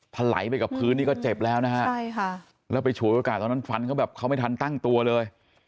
ถลายไปกับพื้นนี่ก็เจ็บแล้วนะฮะใช่ค่ะแล้วไปฉวยโอกาสตอนนั้นฟันเขาแบบเขาไม่ทันตั้งตัวเลย